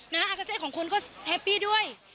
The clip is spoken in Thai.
อาคาเซของคุณก็แฮปปี้ด้วย